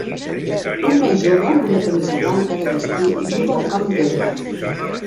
Un noi jove amb una camisa blanca de vestir juga a un camp d'herba.